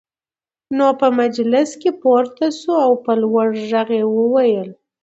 نو په مجلس کې پورته شو او په لوړ غږ يې وويل: